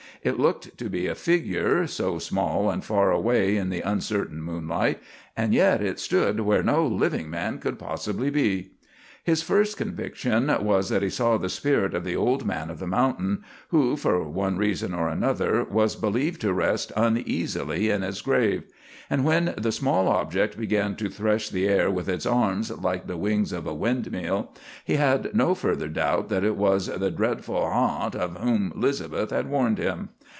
It looked to be a figure, so small and far away in the uncertain moonlight, and yet it stood where no living man could possibly be. His first conviction was that he saw the spirit of the old man of the mountain, who, for one reason or another, was believed to rest uneasily in his grave; and when the small object began to thresh the air with its arms like the wings of a windmill, he had no further doubt that it was the dreadful "harnt" of whom 'Liz'beth had warned him.